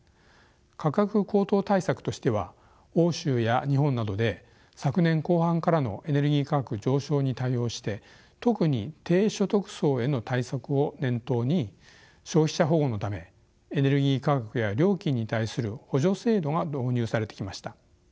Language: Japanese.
価格高騰対策としては欧州や日本などで昨年後半からのエネルギー価格上昇に対応して特に低所得層への対策を念頭に消費者保護のためエネルギー価格や料金に対する補助制度が導入されてきました。